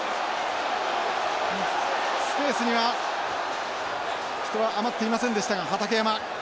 スペースには人は余っていませんでしたが畠山！